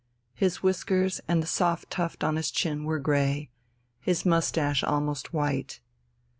His whiskers and the soft tuft on his chin were grey, his moustache almost white.